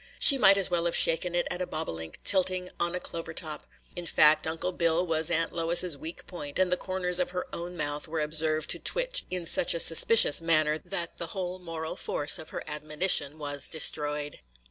She might as well have shaken it at a bobolink tilting on a clover top. In fact, Uncle Bill was Aunt Lois's weak point, and the corners of her own mouth were observed to twitch in such a suspicious manner that the whole moral force of her admonition was destroyed.